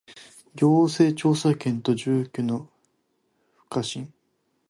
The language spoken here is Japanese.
行政調査権と住居の不可侵